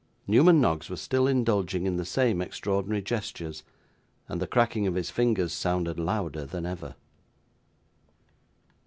Newman Noggs was still indulging in the same extraordinary gestures, and the cracking of his fingers sounded louder that ever.